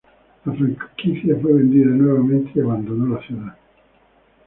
La franquicia fue vendida nuevamente y abandonó la ciudad.